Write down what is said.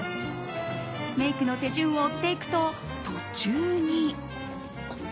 メイクの手順を追っていくと途中に。